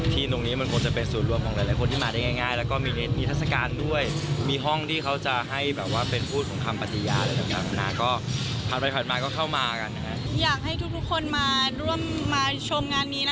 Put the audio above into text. ทีมตรงนี้มันคงจะเป็นสูดรวม